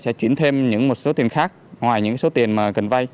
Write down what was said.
sẽ chuyển thêm những một số tiền khác ngoài những số tiền mà cần vay